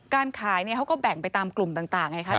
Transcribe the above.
การขายเขาก็แบ่งไปตามกลุ่มต่างไงคะ